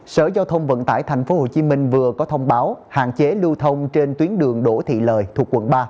sở giao thông vận tải tp hcm vừa có thông báo hạn chế lưu thông trên tuyến đường đỗ thị lời thuộc quận ba